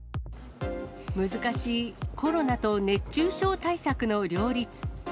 難しいコロナと熱中症対策の両立。